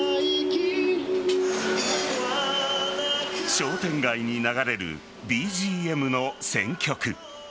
商店街に流れるＢＧＭの選曲。